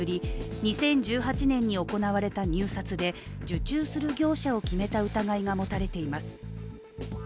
２０１８年に行われた入札で受注する業者を決めた疑いが持たれています。